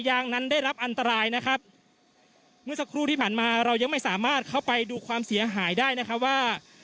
ยางนั้นได้รับอันตรายนะครับเมื่อสักครู่ที่ผ่านมาเรายังไม่สามารถเข้าไปดูความเสียหายได้นะครับว่า